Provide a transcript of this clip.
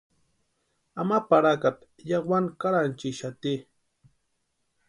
Ama parakata yáwani karhanchixati.